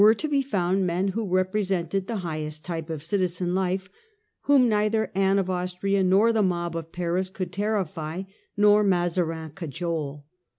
to be found men who represented the highest type of citizen life, whom neither Anne of Austria nor the mob of Paris could terrify, nor Mazarin cajole.